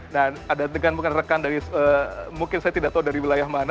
dan ada dengan rekan dari mungkin saya tidak tahu dari wilayah mana